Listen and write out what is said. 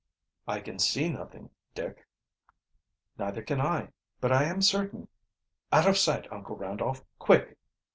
"I can see nothing, Dick." "Neither can I; but I am certain Out of sight, Uncle Randolph, quick!"